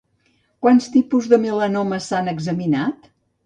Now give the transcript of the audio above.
Quants tipus de melanomes s'han examinat?